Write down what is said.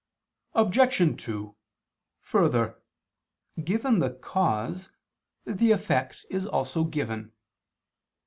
Obj. 2: Further, given the cause, the effect is also given.